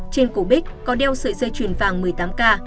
trên cổ bích có đeo sợi dây chuyền vàng một mươi tám k